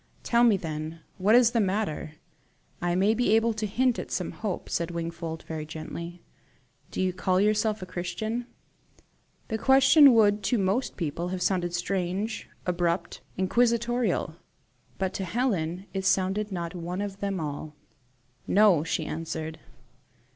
"Tell me, then, what is the matter; I MAY be able to hint at some hope," said Wingfold, very gently. "Do you call yourself a Christian?" The question would to most people have sounded strange, abrupt, inquisitorial; but to Helen it sounded not one of them all. "No," she answered.